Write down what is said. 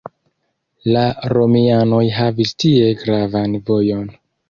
La romianoj havis tie gravan vojon.